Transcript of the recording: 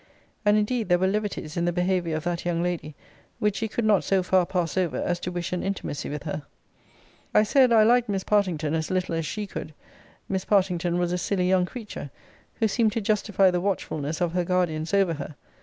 And indeed there were levities in the behaviour of that young lady, which she could not so far pass over as to wish an intimacy with her. I said, I liked Miss Partington as little as she could. Miss Partington was a silly young creature; who seemed to justify the watchfulness of her guardians over her.